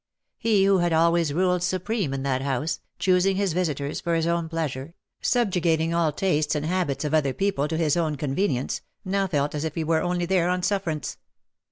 He who had always ruled supreme in that house, choosing his visitors for his own pleasure — subjugating all tastes and habits of other people to his own convenience, now felt as if he were only there on sufferance.